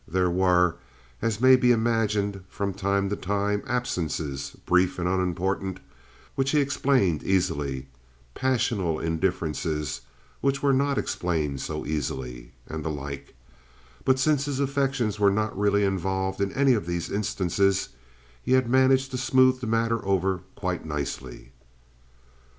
There were, as may be imagined, from time to time absences, brief and unimportant, which he explained easily, passional indifferences which were not explained so easily, and the like; but since his affections were not really involved in any of those instances, he had managed to smooth the matter over quite nicely.